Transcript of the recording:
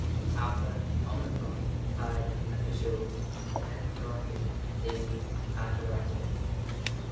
Alpha Omicron Pi's official philanthropy is Arthritis.